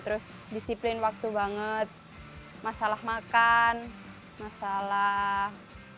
terus disiplin waktu banget masalah makan masalah